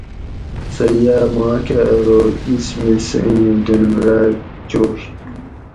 سٞہ یاٞ ماکٞہ ارو اِس مِس ایں ڈینڑ راٞک چوئ